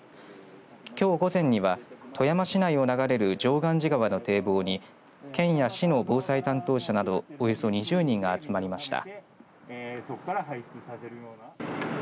きょう午前には、富山市内を流れる常願寺川の堤防に県や市の防災担当者などおよそ２０人が集まりました。